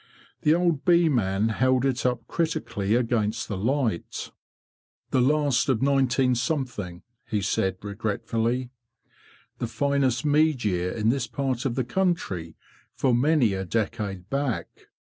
The old bee man held it up critically against the light. ' The last of 19—,'' he said, regretfully. '' The finest mead year in this part of the country for many a decade back.